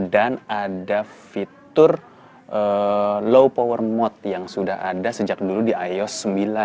dan ada fitur low power mode yang sudah ada sejak dulu di ios sembilan